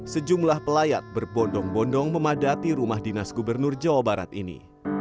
sejumlah pelayat berbondong bondong memadati rumah dinas gubernur jawa barat ini